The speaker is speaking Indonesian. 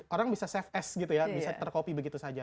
orang bisa safe as gitu ya bisa terkopi begitu saja